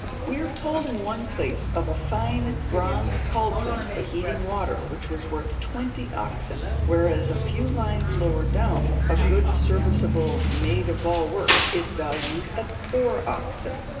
We are told in one place of a fine bronze cauldron for heating water which was worth twenty oxen, whereas a few lines lower down a good serviceable maid of all work is valued at four oxen.